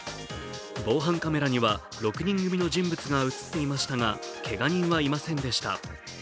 防犯カメラには６人組の人物が映っていましたがけが人はいませんでした。